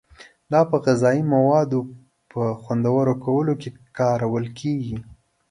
دا په غذایي موادو په خوندور کولو کې کارول کیږي.